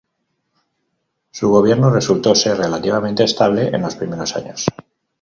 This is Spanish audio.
Su gobierno resultó ser relativamente estable en los primeros años.